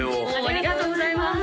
ありがとうございます